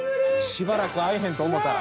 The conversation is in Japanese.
しばらく会えへんと思たら。